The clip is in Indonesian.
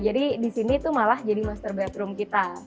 jadi disini tuh malah jadi master bedroom kita